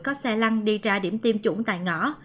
có xe lăng đi ra điểm tiêm chủng tại ngõ